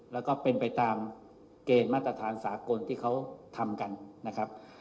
แล้วก็เป็นไปตามเกณฑ์มาตรฐานสากลที่เขาทำกันนะครับ